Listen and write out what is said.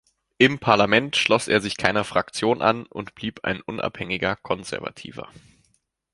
Im Parlament schloss er sich keiner Fraktion an und blieb ein unabhängiger Konservativer.